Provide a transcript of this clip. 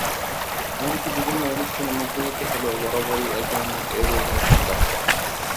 এমনকি বিভিন্ন অনুষ্ঠানে মুখোমুখি হলেও বরাবরই একে অন্যকে এড়িয়ে চলতেন তাঁরা।